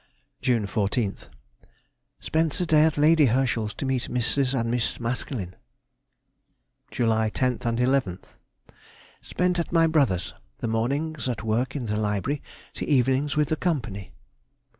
June 14th.—Spent the day at Lady Herschel's to meet Mrs. and Miss Maskelyne. July 10th and 11th.—Spent at my brother's, the mornings at work in the library the evenings with the company....